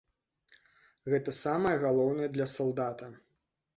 Гэта самае галоўнае для салдата.